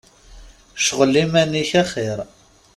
Cɣel iman-ik axir.